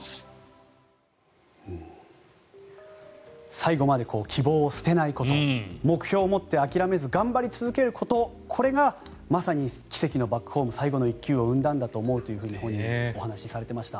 最後まで希望を捨てないこと目標を持って諦めず頑張り続けることこれがまさに奇跡のバックホーム最後の１球を生んだんだと思うと本人はお話しされていました。